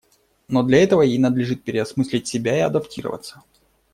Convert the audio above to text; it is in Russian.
Но для этого ей надлежит переосмыслить себя и адаптироваться.